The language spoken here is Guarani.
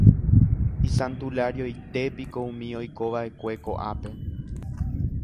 Isantularioitépiko umi oikova'ekue ko'ápe.